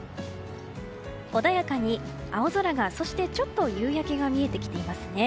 穏やかに青空が、そしてちょっと夕焼けが見えてきていますね。